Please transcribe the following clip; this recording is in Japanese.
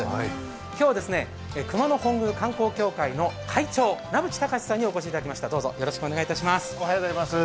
今日は熊野本宮観光協会の会長、名渕敬さんにお越しいただきました。